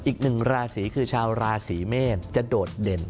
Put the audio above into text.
อีกหนึ่งราศีคือชาวราศีเมษจะโดดเด่น